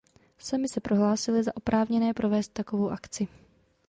Sami se prohlásili za oprávněné provést takovou akci.